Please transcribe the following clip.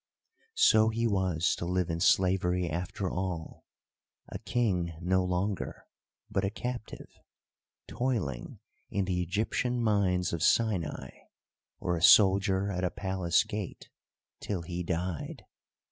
So he was to live in slavery after all, a king no longer, but a captive, toiling in the Egyptian mines of Sinai, or a soldier at a palace gate, till he died.